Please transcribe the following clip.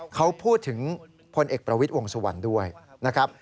เขาพูดถึงพลเอกประวิทย์วงสุวรรณด้วยนะครับ